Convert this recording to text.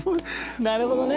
なるほどね！